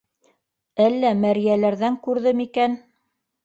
Әллә мәрйәләрҙән күрҙе микән?